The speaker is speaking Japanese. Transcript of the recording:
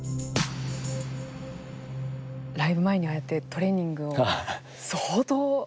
ライブ前にああやってトレーニングを相当激しく。